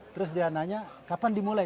terus dia nanya kapan dimulai